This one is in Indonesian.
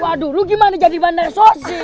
waduh lu gimana jadi bandar sosis